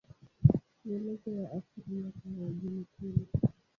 Maelezo ya asili yake hayajulikani.